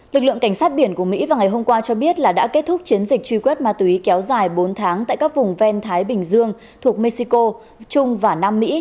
lực lượng cảnh sát biển của mỹ vào ngày hôm qua cho biết là đã kết thúc chiến dịch truy quét ma túy kéo dài bốn tháng tại các vùng ven thái bình dương thuộc mexico trung và nam mỹ